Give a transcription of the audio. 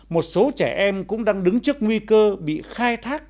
một số trẻ em cũng đang đứng trước nguy cơ bị khai thác